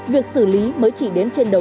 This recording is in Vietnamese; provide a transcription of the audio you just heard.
việc xử lý mới chỉ đến trên đầu